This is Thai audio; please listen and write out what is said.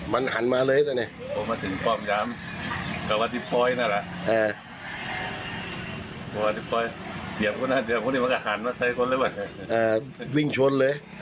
มันหันมาเลยเถอะเนี่ย